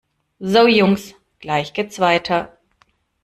So Jungs, gleich geht's weiter!